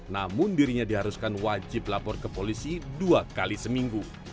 namun dirinya diharuskan wajib lapor ke polisi dua kali seminggu